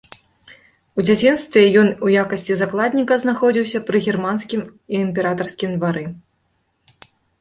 У дзяцінстве ён у якасці закладніка знаходзіўся пры германскім імператарскім двары.